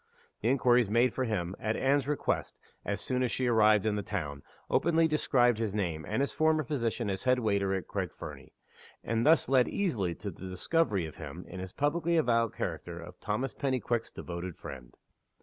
The inquiries made for him, at Anne's request, as soon as she arrived in the town, openly described his name, and his former position as headwaiter at Craig Fernie and thu s led easily to the discovery of him, in his publicly avowed character of Thomas Pennyquick's devoted friend.